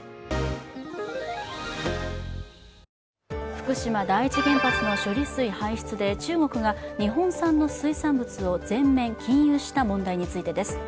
福島第一原発の処理水排出で中国が日本産の水産物を全面禁輸した問題についてです。